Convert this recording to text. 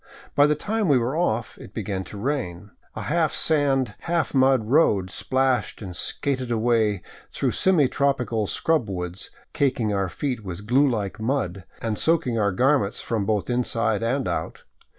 By the time we were off, it began to rain. A half sand, half mud road splashed and skated away through semi tropical scrub woods, caking our feet with glue like mud, and soaking our garments from both inside and out.